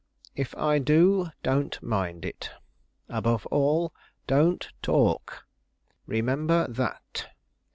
If I do, don't mind it. Above all, don't talk: remember that."